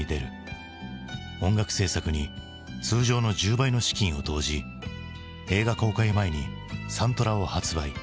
音楽制作に通常の１０倍の資金を投じ映画公開前にサントラを発売。